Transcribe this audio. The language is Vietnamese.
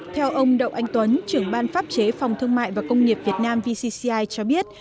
theo ông đậu anh tuấn trưởng ban pháp chế phòng thương mại và công nghiệp việt nam vcci cho biết